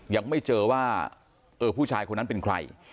ยังไม่เจอว่าเออผู้ชายคนนั้นเป็นใคร